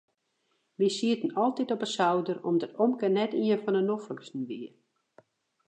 We sieten altyd op de souder omdat omke net ien fan de nofliksten wie.